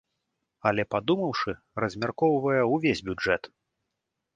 Але падумаўшы, размяркоўвае увесь бюджэт!